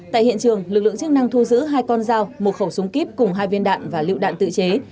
tại hiện trường lực lượng chức năng thu giữ hai con dao một khẩu súng kíp cùng hai viên đạn và lựu đạn tự chế